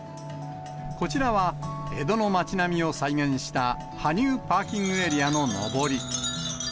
こちらは江戸の町並みを再現した羽生パーキングエリアの上り。